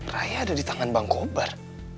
raya ada di tangan bang kobar